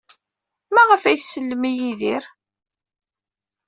Maɣef ay tsellem i Yidir?